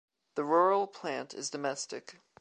The rural plant is domestic.